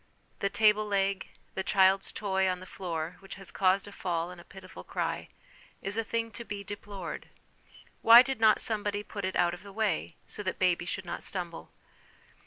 The table leg, the child's toy on the floor, which has caused a fall and a pitiful cry, is a thing to be deplored ; why did not somebody put it out of the way, so that the baby should not stumble